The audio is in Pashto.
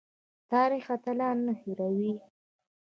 تاریخ اتلان نه هیروي